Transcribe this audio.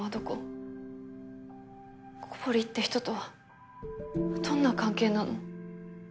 古堀って人とはどんな関係なの？